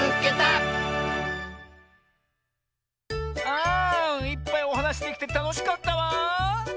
あいっぱいおはなしできてたのしかったわ。